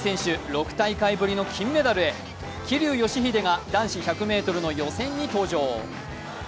６大会ぶりの金メダルへ、桐生祥秀が男子１００ｍの予選に登場。